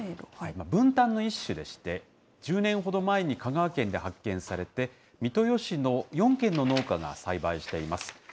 ぶんたんの一種でして、１０年ほど前に香川県で発見されて、三豊市の４軒の農家が栽培しています。